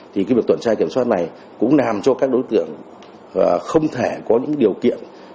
thì việc tuần tra kiểm soát này cũng làm cho các đối tượng không thể có những điều kiện